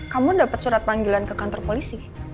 kamu dapat surat panggilan ke kantor polisi